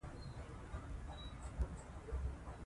څوک ناروغانو ته درمل ورکوي؟